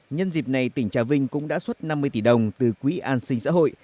nhân dịp này tỉnh trà vinh cũng đã xuất năm mươi tỷ đồng từ quỹ an sinh xã hội